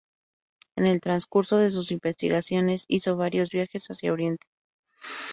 En el transcurso de sus investigaciones hizo varios viajes hacia oriente.